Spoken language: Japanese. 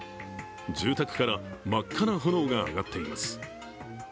住宅から真っ赤な炎が上がっています。